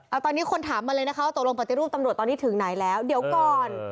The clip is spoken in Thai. เอาตอนนี้คนถามมาเลยนะคะว่าตกลงปฏิรูปตำรวจตอนนี้ถึงไหนแล้วเดี๋ยวก่อน